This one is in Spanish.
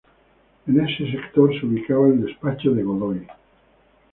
En ese sector se ubicaba el despacho de Godoy.